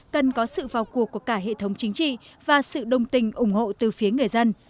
cần có sự vào cuộc của cả hệ thống chính trị và sự đồng tình ủng hộ từ phía người dân